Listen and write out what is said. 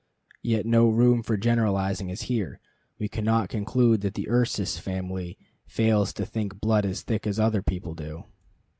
Yet no room for generalizing is here. We cannot conclude that the Ursus family fails to think blood as thick as other people do.